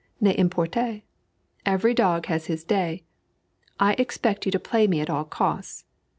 N'importe. Every dog has his day. I expect you to play me at all costs.